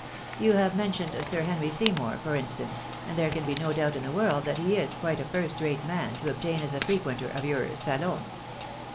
You have mentioned Sir Henry Sey mour, for instance, and there can be no doubt in the world that he is quite a first rate man to obtain as a frequenter of your salon.